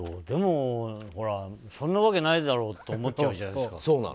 でも、そんなわけないだろうって思っちゃうじゃないですか。